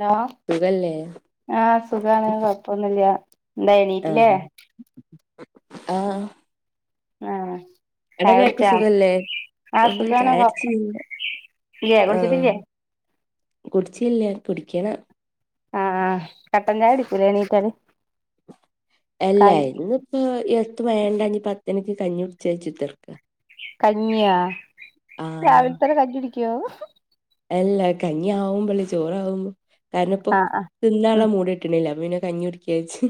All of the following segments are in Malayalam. ഹലോ സുഖല്ലേ ആഹ് സുഖാണ് കുഴപ്പൊന്നുല്ല്യ എന്താ എണീറ്റില്ലേ? ആഹ് ആഹ് ആഹ് ചായ അടല്ലാർക്കും കുടിച്ചാ സുഖല്ലേ ആഹ് ഉം സുഖാണ് കൊഴപ്പം ചായടിച്ചില്ല്യ ഇല്ലേ ആഹ് കുടിച്ചിട്ടില്ലേ കുടിചില്ല്യ കുടിക്കണം ആഹ് ആഹ് കട്ടൻചായ കുടിക്കുലേ എണീറ്റാല് അല്ലേ കാലി ഇന്നിപ്പോ നിക്ക് വേണ്ടാഞ്ഞിട്ട് പത്തണിക്ക് കഞ്ഞി കുടിച്ചോയിച്ചിരിക്കാ കഞ്ഞിയാ ആഹ് രാവിലെത്തന്നെ കഞ്ഞി കുടിക്കോ അല്ല കഞ്ഞി ആവുമ്പോള്ചോറാവുമ്പോ കാരണം ഇപ്പൊ ആഹ് ആഹ് ഉം തിന്നാനുള്ള മൂഡ് കിട്ട്ണില്ല പിന്നെ കഞ്ഞി കുടിക്കാന്നുവെച്ച്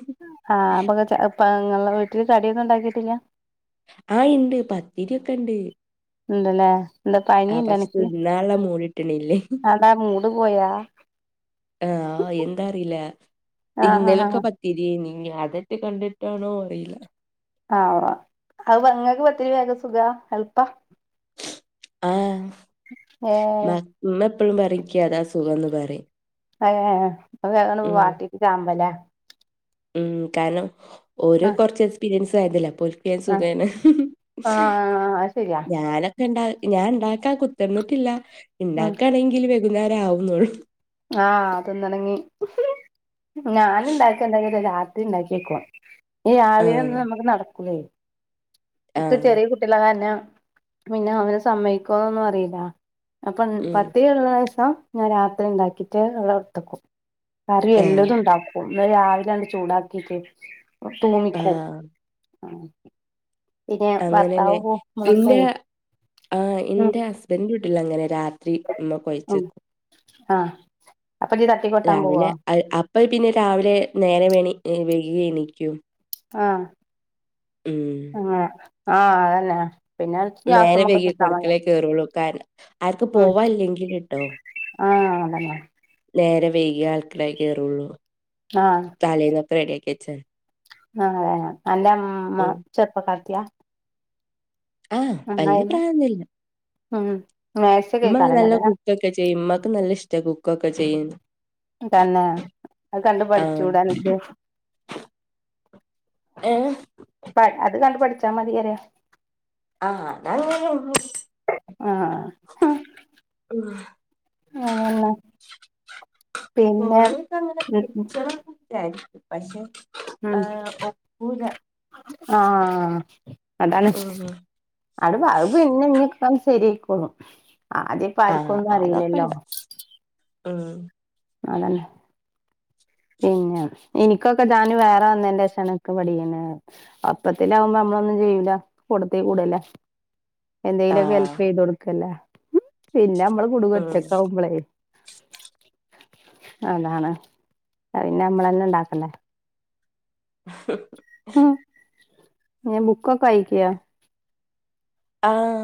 ആഹ് അപ്പൊങ്ങളെ വീട്ടില് കടിയൊന്നും ഉണ്ടാക്കീട്ടില്ല ആ ഇണ്ട് പത്തിരിയൊക്കെ ഇണ്ട് ഇണ്ടല്ലേ എന്താ ആഹ് പനിയുണ്ടാ പക്ഷെ അനിക്ക് തിന്നാള്ള മൂട് കിട്ടണില്ലേ അതാന്തമൂഡ് പോയാ ആഹ് അഹ് എന്താ അറീല ആഹ് ഇന്നലൊക്കെ ആഹ് പ തിരിയായിന് അതട്ട് കണ്ടിട്ടാണോ അറിയില്ല ആഹ് അത് ഇങ്ങക്ക് ഒത്തിരി വേഗ സുഖ ഹെല്പാ ആഹ് ഏഹ് ഉമ്മ എപ്പഴും പറേം നിക്ക്താ സുഖംന്ന് പറയും ഉം [unintelligible] ഉം കാരണം ഓര് ആഹ് കുറച്ച് എക്സ്പീരിയൻസും ആയതല്ലേ അപ്പൊ ഓ കിട്ടിയ ആഹ് സുഖയ്ന് ആഹ് അത് ശരിയാ ഞാന ണ്ട ഞാൻ ണ്ടാക്കാൻ കുത്തിർന്നിട്ടില്ല ഉം ഉണ്ടാക്കയാണെങ്കിൽ വൈകുന്നേരാകുന്നുള്ളു ആ അതൊന്ന് തിന്നാണെങ്കി ഞാൻ ഇണ്ടാക്കണ്ട രാത്രി ഇണ്ടാക്കിഴിക്കുവാ ഈ ആഹ് ആവിയൊന്നും നമുക്ക് നടക്കൂലേ ഈ ആഹ് ചെറിയ കുട്ടികളാ പിന്നെ അവര് സമ്മയിക്കൊന്നൊന്നും അറിയില്ല അപ്പൊ ഉം പത്തിരി ലീവ്ള്ളോസം ഞാൻ രാത്രി ഉണ്ടാക്കിട്ട് അവിടെ എടുത്തക്കും കറി ആഹ് എല്ലതും ഉണ്ടാക്കും എന്ന രാവിലെ അങ്ങ് ചൂടാക്കിയിട്ട് ആഹ് [unintelligible] പിന്നെ ഭർത്താവ് പൊമ്പളൊക്കെയേ ആ എന്റെ ഹസ്ബൻഡിന്റെ വീട്ടിലങ്ങനെയാ രാത്രി ഇമ്മ ഉം കൊഴച്ച്ക്കും ആഹ് അപ്പൊ ഇജ്ജ് തട്ടിക്കൊട്ടാൻ പോവോ രാവിലെ അപ്പ പിന്നെ രാവിലെ നേരെ വേണ വൈകി എണിക്കും ആഹ് ഉം ആഹ് ആഹ് അതന്നെ പിന്നെ നേരെ ഗ്യാസുമ്മക്ക് വൈകിയെ ഇട്ടാ മതി അടുക്കളെക്കു കേയറോള്ളൂ കാരണം ആർക്കും പോകാനില്ലെങ്കിലേട്ടോ ആ അതനെ നേരെ വൈകിയെ അടുക്കളേല് കെയറുള്ളൂ ആ ആ തലേന്നൊക്കെ റെഡിയാക്കി വെചേതി ആ അന്റെ അമ്മ ഉം ചെറുപ്പക്കാരത്തിയ ആഹ് വല്യ പ്രായൊന്നില്ല ഉം ഉമ്മ നേഴ്സൊക്കെക്കാരല്ലേ നല്ല കുക് കുക്കൊക്കെ ചെയ്യും ഉമ്മാക്ക് നല്ല ഇഷ്ട കുക്കൊക്കെ ചെയ്യന്ന് തന്നെ അത് കണ്ട് ആഹ് പഠിച്ചൂടെ അനക്ക് ഏഹ് [unintelligible] അത് കണ്ട് പഠിച്ചാൽ മതിയല്ലേ ആഹ് [unintelligible] ഹ്‌ ഏഹ് കൊറെയൊക്കെയങ്ങനെ ഉം പിച്ച വിചാരിക്കും പക്ഷെ ഏഹ് ഒക്കൂല ആആ അതാണ് ഉം അത് അത് പിന്നെ എപ്പളു ശെരിയായിക്കോളും ആദ്യപ്പ ആരിക്കുവൊന്നും അറിയില്ലല്ലോ ആ അതന്നെ പിന്നെ എനിക്കൊക്കെ ഞാന് വേറെ വന്നെന് ശേഷണു പഠിക്കണേ അപ്പതേനും ആകുമ്പോ നമ്മളൊന്നും ചെയ്യൂല കൂടത്തേക്കും കൂടുവല്ലേ എന്തെലുമൊക്കെ ആഹ് ഹെൽപ് ചെയ്ത് കൊടുക്കല്ലേ പിന്നെ നമ്മള് കുടുങ്ങും ഉം ഒറ്റയ്ക്ക് ആ കുമ്പളേ അതാണ് അത്പിന്നെ അമ്മളലനെ ഇണ്ടാക്കണ്ടെ. മ് ബുക്കൊക്കെവായ്ക്കൊ. ആഹ്.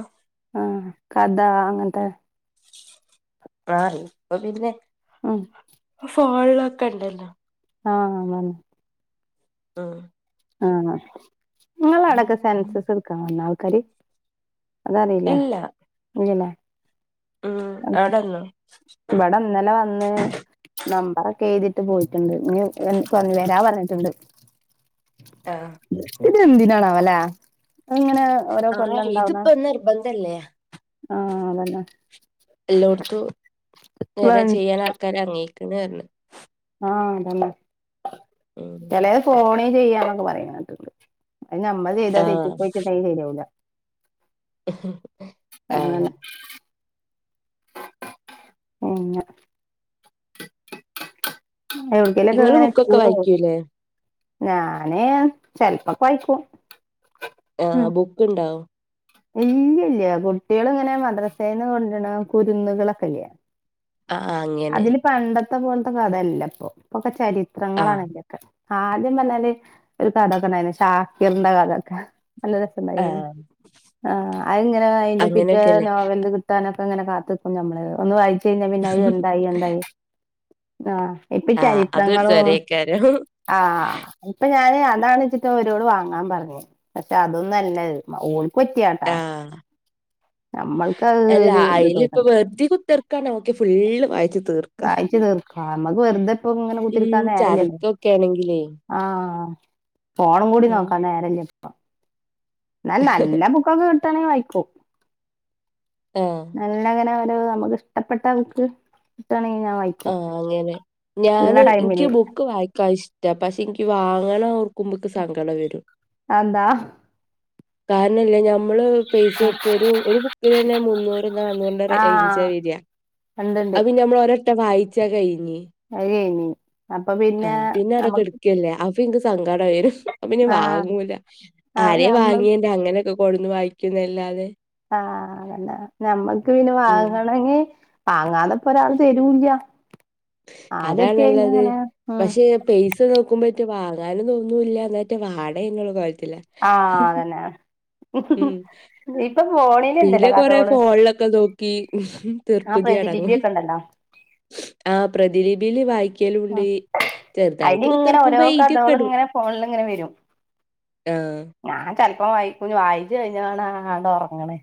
ആഹ് കഥാ അങ്ങൻത്തെ. ആഹ് ഇപ്പൊ പിന്നെ. മ് ഫോൺലൊക്കെണ്ടല്ലോ. ആഹ് അങ്ങനെ ആഹ്. ആഹ് ഇങ്ങളാടൊക്കെ സെൻസസ് എടുക്കാൻവന്ന ആൾക്കാര്. അതറീലേ ഇല്ല ഇല്യലേ. ഉം ആടന്നോ. ഇവിടെ ഇന്നലെ വന്ന്. നമ്പറൊക്കെ എഴുതിട്ട് പോയിട്ടുണ്ട്. ഇനി എൻ വെരാ പറഞ്ഞിട്ടുണ്ട്. ആഹ്. ഇതെന്തിനാണാവോ ലെ. ഇങ്ങനെ ഓരോ ആഹ് കൊല്ലണ്ടാവണെ ഇതിപ്പോ നിർബന്ധല്ലേ ആഹ് അതന്നെ. എല്ലോടത്തും വേ ഇങ്ങനെ ചെയ്യാൻ ആൾക്കാര് എർങ്ങീക്ക്ണ്ർഞ്. ആഹ് അതന്നെ ഉം ചെലലേ ഫോണില് ചെയ്യാന്നൊക്കെ പറയ്ന്ന്ണ്ട്‌. അയിന് അമ്മളെചെയ്താ ആഹ് തെറ്റിപ്പോയിട്ടുണ്ടേ ശരിയാവൂല. ഹ്ഹേ. ആന്നെ ഇഞ്ഞ എവിടെലൊക്കൊക്കെ ഇങ്ങള് ഇങ്ങനെ ബുക്കൊക്കെ കൂടോ. വായിക്കൂലേ ഞാന് ചെലപ്പം പായിക്കും. ആഹ് ബുക്ക്ണ്ടൊ? ഇല്യ ഇല്യ കുട്ട്യേളിങ്ങനെ മദ്രസയിൽന്ന് കൊണ്ടരണെ കുരുന്നുകളൊക്കെല്യേ. ആഹ് ആഹ് അങ്ങനെ. പണ്ടത്തെ പോലത്തെ കഥയല്ലപ്പൊ ഇപ്പൊക്കെ ചരിത്രങ്ങളാണ് ആഹ് അയ്ന്റെക്കെ. ആ ആദ്യം പറഞ്ഞാല് ഒരു കഥക്കണ്ടായിര്ന്ന് ഷാക്കിറിന്റെ കഥോക്കെ നല്ല ണ്ടായിര്ന്ന് ആഹ് ആ അയിങ്ങനെ അയിന്റെ പിറ്റേ അങ്ങനെയൊക്കെല്ലേ നോവൽത് ട്ടാനൊക്കെ ഇങ്ങനെ കാത്തിക്കും നമ്മള് ഒന്ന് വായിച്ച കയിഞ്ഞാ പിന്നെ അത് എന്തായി എന്തായി ആഹ്. ഇപ്പ ഈ ആഹ് അതൊരു ചരിത്രങ്ങളും തൊരേക്കാരം ആഹ്. ഇപ്പൊ ഞാന് അതാണ്ചിട്ട ഒരൊട് വാങ്ങാൻ പറഞ്ഞേ പക്ഷെ അതൊന്നുല്ല ഇത് ഓ കുറ്റ്യാണ്ടാ ആഹ് ഞമ്മൾക്കത് ഒരു ഇത് തോന്നണില്ല. [unintelligible] തീർക്കാൻ നോക്കി ഫുള്ള് വായിച്ച് തീർ വായിച്ച് തീർക്കണം നമ്മക്ക് വെറുതെപ്പങ്ങനെ കുത്തിരിക്കാൻ ഉം നേരല്ലല്ലോ ചടക്കൊക്കെ ആണെങ്കിലേ ആഹ് ഫോണും കൂടി ഉം നോക്കാൻ നേരല്യപ്പൊ എന്നാ നല്ല ബു ബുക്കൊക്കെ കിട്ടാണീ വായിക്കും. ഏഹ്. നല്ലങ്ങനെ ഒരു നമുക്ക് ഇഷ്ടപ്പെട്ട ബുക്ക്‌. കിട്ടാണെകി ഞാൻ വായി ആഹ് അങ്ങനെ ഞാന് ഇനിക്ക് ബു ഇക്ക് വായിക്കാ ഇഷ്ടാ പക്ഷെ ഇന്ക്കി വാങ്ങണോർക്കുമ്പക്ക് സങ്കടം വെരും. ആന്താ? കാരണല്യേ ഞാൻ. നമ്മള് പൈസ കൊടുത്ത് ഒരു ബുക്കിലന്നെ മുന്നൂറ് നന്നൂറിന്റെ ഒര് ആഹ് റേഞ്ചാവര. ഉണ്ട്ണ്ട് അത്പിന്നെ ഞമ്മൾ ഒരൊട്ടം വായിച്ചാ കഴിഞ്ഞ്. അത് കഴിഞ്ഞി അപ്പൊ പിന്നെ നമ്മക് ക്ക്‌ല്ലേ അപ്പൊ ഇൻക്ക് സങ്കടംവരും അപ്പോ പിന്നെ ആഹ് വാങ്ങൂല അത് ആരെ നമ്മൾ വാങ്ങിന്റ അങ്ങനൊക്കെ കൊണ്ടുന്നു വാഴ്ക്കുന്നല്ലാതെ ആഹ് അതെന്നെ ഞമ്മക്ക് പിന്നെ ഉം വാങ്ങണെങ്കി വാങ്ങാതെ ഇപ്പൊരാൾ തരുല്ല ആദ്യാമോക്കേന്നു അതാണുള്ളത് ഇങ്ങനെ പക്ഷെ പൈസ നോക്കുമ്പോറ്റെ വാങ്ങാനു തോന്നൂല്ല ന്നാറ്റെ വാണേന്നുള്ള കോൽത്തിലാ. ആഹ് അതന്നെ ഉം ഇപ്പൊ ഫോണിലുണ്ടല്ലോ പിന്നെ കൊറെ കഥകള് ഫോൺലൊക്കെ നോക്കി ഹ്മ് ആ തിർപ്പ്തി അടങ്ങും പ്രതിലിപിയൊക്കെ ഉണ്ടല്ലോ ആഹ് പ്രതിലിബീൽ വായി. ക്കലുംണ്ട് ചെറുതായിട്ട് അതില് ഇങ്ങനെ ഓരോ കുത്തർക്കുമ്പോ കഥകള് എഴുതിയൊക്കെടും. ഇങ്ങനെ ഫോണിൽ ഇങ്ങനെ വരും ആഹ് ഞാൻ ചെൽപ്പം വായിക്കു വായിച്ച് കഴിഞ്ഞവാണ് ആണ്ട് ഒർങ്ങ്ണേ.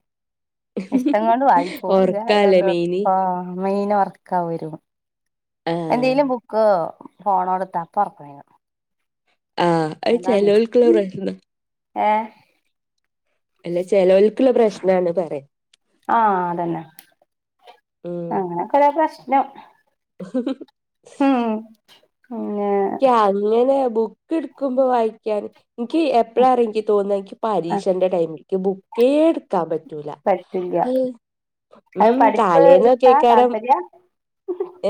ഇഷ്ട്ടം കൊണ്ട് വായി ഒറക്കാല്ലേ [unintelligible] മെയിന് മെയിനൊർക്കം വരും. ആഹ് എന്തേലും ബുക്കൊ ഫോണോട്ത്താ അപ്പം ഒർക്കം വെരും. ആഹ് അത് അതാണ് ചെലോൽക്കുള്ള പ്രശ്നാ. ഏ അല്ലെ ചെലോൽക്ക്‌ള്ള പ്രശ്നാണ് പറിയ. ആഹ് അതന്നെ ഉം അങ്ങനൊക്കെ ഒള്ള പ്രശ്നം [unintelligible] ഉം പിന്നെ. ക്ക്യങ്ങനെ ബുക്ക് ഇട്ക്കുമ്പോ വാഴ്ക്കാൻ. ഇയ്ക് എപ്പളറിയൊ ഇൻക്ക് തോന്ന്അ ഇൻക്ക്യ് പരീക്ഷന്റെ ടൈമില്ക്ക് ബുക്ക് ക്കേട്ക്കാൻ പറ്റൂല പറ്റില്ല അഹ്. അത് ഹ്മ് പഠിപ്പ് ഇഷ്ടാ താലേന്നൊക്കേക്കാരം താല്പര്യ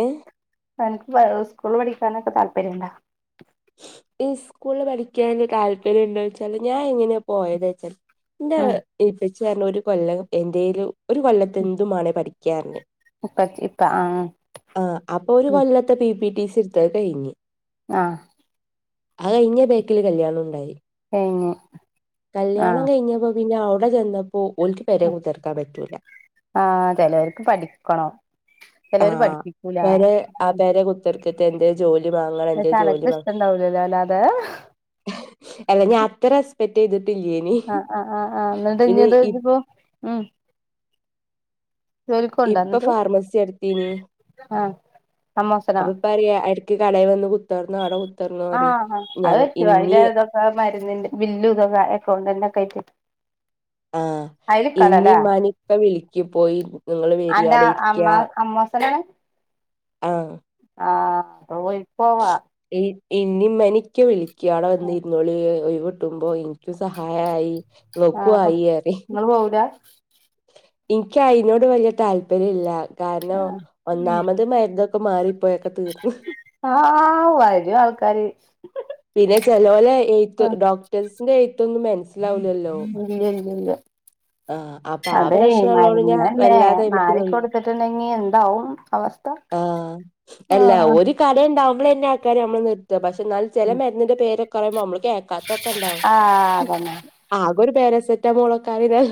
ഏഹ്. തനിക് വഹ് സ്കൂളിൽ പഠിക്കാനൊക്കെ താല്പര്യണ്ടാ? ഈ സ്കൂള്ൽ പഠിക്കാൻ താല്പര്യം ഉണ്ടോയ്ച്ചാല് ഞാ എങ്ങനെ പ പോയത്ച്ചാൽ ഇന്റെ ഉം ഹ് ഇപ്പച്ചിയർഞ്ഞു ഒരു കൊല്ലം എന്തെയ്ലും. ഒരു കൊല്ലത്തെ എന്തുമാണേ പാടിക്കന്ന് പറഞ്ഞ് ഇപ്പ ഇപ്പ ആഹ്. ആ അപ്പൊ ഒരു കൊല്ലത്തെ പി പി ടി സിട്ത്ത് അഹ് കഴിഞ്ഞ്. ആഹ് അഹ് കൈഞ്ഞ ബേക്ക്‌ല് കല്യാണുണ്ടായി. കൈഞ്ഞ്. കല്യാണം കഴിഞ്ഞപ്പോ പിന്നെ അവ്ടെ ചെന്നപ്പോ ഓൽക്ക് പെരേ കുത്തർക്കാൻ പറ്റൂല. ആഹ് ചെലോര്ക്ക് പഠിക്കണം ചെലോര് ആഹ് പഠിപ്പിക്കൂല. പെരെ ആ പേരെ കുത്തർക്കര്ത് എന്തെ ജോലി മാങ്ങണം എന്തെ പക്ഷെ ജോലി അനക്ക് മാങ്ങണം. ഇഷ്ടണ്ടാവൂലല്ലോ അല്ലാതെ ഹ് അല്ല ഞാ അത്ര എക്സ്പെക്റ്റെയ്ത് ട്ട് ല്ല്യേനി. ആ ആ ആ ആ ഇഞ്ഞട്ട് ഇഞ്ത്പ്പൊ. ഇപ്പ എന്നിട്ട് ഫാർമസി ഇട്ത്തീനി ആഹ് അമ്മോസനോ അപ്പൊ ഇപ്പറിയാ. ക്ക്‌ കടേ വന്ന് കുത്തർന്നോ ഔടെ കു ആഹ് അതറ്റും അയ്ന്റെ തൊക്കെ മര്ന്നിന്റെ ബില്ലു തൊക്കെ എക്കൗണ്ടന്റൊക്കെ അയിട്ട്. ആഹ് ഇന്നേ ഇന്മനേം ഇപ്പ വിളിക്കും പോയി നിങ്ങള് അന്റെ അമ്മ വരിയാടെരിക്കിയാ അമ്മോസനാണ് [inaudible] ആഹ് ആഹ് പോയിപോവാ ഹ് ഇന്നിമ്മനിക്കെ വിളിക്ക്‌യും അവ്ടെടെ വന്നി ര്ന്നോളി ഒയ്വ്ട്ടുമ്പോ ഇൻക്കും സഹായായി ആഹ് ഇങ്ങക്കു അപ്പൊ ആയി അറിം. ഇങ്ങള് പോവൂല. ഇൻക്ക് അയ്നോട് വല്യ താല്പര്യല്ല കാരണം ഒന്നാമത് മര്ന്ന്ട്. പ്പ മാറി പ്പോയൊക്കെ തീർന്നു. ആ വരും ആൾക്കാര്. പിന്നെ ചെലോലെ എയുത്ത് ആഹ് ഡോക്ടേഴ്സിന്റെ എഴുത്തൊന്നും മെ നസ്സിലാവില്ലല്ലോ. ഇല്ലല്ലല്ല, ആ അതെ പ്രശ്നള്ളോണ്ട് ഞാൻ മരുന്നല്ലേ വല്ലാതെ അയ്മക്ക് നിന്നി മാറിക്കൊടുത്തി ട്ടുണ്ടെങ്കി എന്താവും അവസ് ആഹ് എല്ലഒരു കടുണ്ടാവുമ്പോഴെന്നെ ആള്ക്കാര് നമ്മളെ നിർത്ത, പക്ഷെ ന്നാലും ചെല മര് നിന്റെ പേരെക്കറയുമ്പോ അമ്മള് കേ ആഹ് അതന്നെ. ആകൊരു പാരസെറ്റാമോൾ ഒക്കെ ആയിന്നേൽ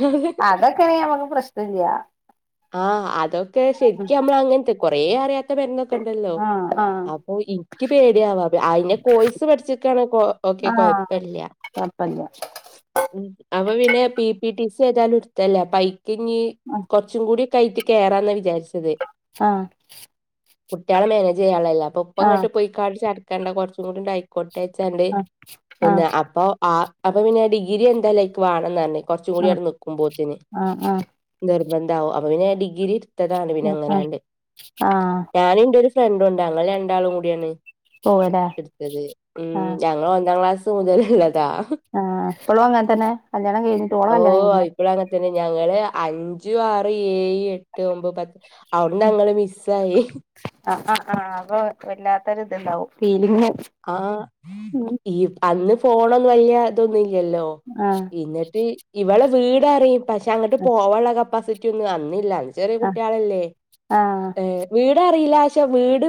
അതൊക്കെ ആണെങ്കി നമുക്ക് പ്രശ്നം ഇല്ല. ആഹ്, അതൊക്കെ ശരിക്ക് മ്മളങ്ങനത്തെ കൊറേ അറിയാത്ത ബെരുന്നൊക്കെ ണ്ടല്ലോ. ആഹ് ആഹ് അപ്പൊ യ്ക്കു പേടിയാവാ അയ്ന്റെ കോയ്‌സ് പഠിച്ചിവെക്കണെ ഓ ക്കെ കൊയപ്പല്ല്യ. കൊപ്പല്ല. ഉം അപ്പൊ പിന്നെ പി പി ടി സി ഏതാലും ട്ത്തല്ലേ അപ്പൊ അയ്ക്ക് ന്നി ആഹ് കുറച്ചുംകുടി ക്കായ്റ്റ് കേറന്ന വിചാരിച്ചത്. ആഹ് കുട്ട്യേളെ മേനെജ് ചെയ്യാള്ളല്ലേ അപ്പൊ ഇപ്പങ്ങട്ട് പോയിക്കണ്ട് ചടക്കേണ്ട കൊറച്ചും കൂടി ആയി കൊട്ത്തയചണ്ട് ആഹ് ആഹ് പിന്നെ അപ്പൊ ആ അപ്പൊ പിന്നെ ഡിഗ്രി എന്തായാലും അയ്ക്ക് വാണന്ന് പറഞ്ഞ്. കൊറച്ചും കൂടി ആഹ് അവിടെ നിക്കുമ്പോത്തിന്. ആഹ് ആഹ് ആഹ് നിർബന്ധാവും അപ്പൊ പിന്നെ ഡിഗ്രി ഇത്തതാണ് പിന്നെ ആഹ് ആഹ് അങ്ങനാണ്ട്. ആഹ് ഞാനൂന്റെ ഒരു ഫ്രണ്ടു ണ്ട് ഞങ്ങൾ രണ്ടാളും കൂടിയാണ്. പോവല്ലേ ട്ത്തത്. ഉം ആഹ് ഞങ്ങളൊന്നാം ക്ലാസ് മുതല് ള്ളതാ. ആഹ് പ്പളും അങ്ങനതന്നെ കല്യാണം കഴി ഓഹ് ആയിപ്പളും അങ്ങനെതന്നെ ഞങ്ങള് അഞ്ചു, ആറ്, ഏയ്, എട്ട്, ഒമ്പത്, പത് അവ്ട്ന്നങ്ങള് മിസ്സായി. അ അ ആ അപ്പൊ വല്ലാത്തൊരി ത്ണ്ടാവും ഫീലിങ്. ആഹ് ഉം ഈ അന്ന് ഫോണൊന്നും വല്യതൊന്നുല്ലല്ലോ. ആഹ് ഇന്നിട്ട് ഇവളെ വീടറിയും പക്ഷെ അങ്ങിട്ട് പോവാള്ള കപ്പാസിറ്റി ഒന്നും അന്നില്ല. ചെറിയ ആഹ് കുട്ട്യാളല്ലേ ആഹ് ആഹ് ഏഹ് വീടറിയില്ല ച്ച വീട്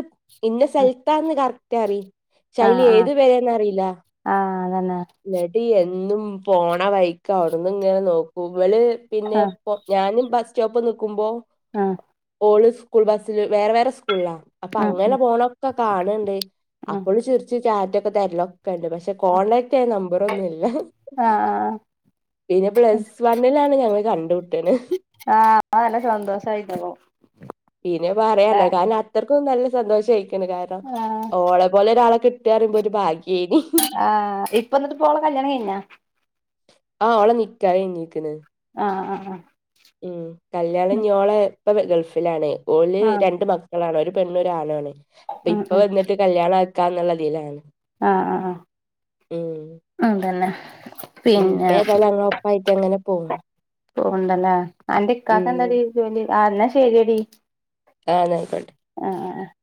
ഇന്ന സ്ഥലത്താന്ന് കറക്റ്റ് അറി ക്ഷേ അയില് ആഹ് ആഹ് ഏത് പെരേന്ന് അറിയില്ല. ആഹ് അതന്നെ. ന്നിട്ട് എന്നും പോണ വൈക്ക അവിടന്നി ങ്ങനെ നോക്കും ഇവല് പിന്നെ ആഹ് പൊ ഞാനും ബസ്റ്റോപ്പ്‌ നിക്കുമ്പോ ആഹ്. ഓള് സ്കൂൾബസ്സില് വേറെ വേറെ സ്കൂൾലാ. അപ്പൊ ഉം അങ്ങനെ ഉം പോണൊക്കെ കാണ് ണ്ട്, ഉം അപ്പോളും ചിറിച്ച് റ്റാറ്റൊക്കെ തരലൊക്കെണ്ട് പക്ഷെ ഇപ്പ കോണ്ടടാക്ട് യ്യാൻ നമ്പറൊന്നുല്ല. ആഹ് പിന്നെ പ്ലസ് വണ്ണിലാണ് ഞങ്ങള് കണ്ടമുട്ട് ണ്. ആ അപ്പ നല്ല ശന്തോഷയിക്കണു. പീനെ പറയാണ്ടോ കാരണം അത്രക്കും നല്ല സന്തോഷം ആയിക്ക്ണ് കാരണം ആഹ് ഓളെ പോലെ ഒരാള കി കിട്ടറയുമ്പോ ഒരു ഭാഗ്യയ്നി ആഹ്, ഇപ്പൊ ന്നിട്ട് പ്പോളെ കല്യാണം കയിഞ്ഞ? ആഹ്, ഓളെ നിക്കാഹ്‌ കയിഞ്ഞിക്ക്ണ്. ആഹ്, അ, അ ഉം, കല്യാണം ഞ്ഞോളെ പ്പ ഗൾഫിലാണ് ഓല് ആഹ് രണ്ട് മാ ളാണ് ഒരു പെണ്ണും ഒരാണുവാണ് അപ്പൊ ഉം ഇപ്പ ഉം വന്നിട്ട് കല്യാണക്കാ ന്നുള്ളതിലാണ്. ആഹ്, ആ, ആ അതന്നെ. ഉം പിന്നെ പ്പേതായാലും അങ്ങനെ ഒപ്പാ യിറ്റങ്ങനെ പോകും. പോണ്ടല്ലേ, അന്റെഇക്കാക്കെന്താ ഡീ ജോലി. ആന്നാ ശെരിയടി. ആ ന്നായിക്കോട്ടെ ആഹ് ആഹ് അഹ്